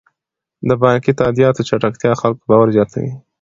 د بانکي تادیاتو چټکتیا د خلکو باور زیاتوي.